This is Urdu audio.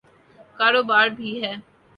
کاروبار بھی ہے۔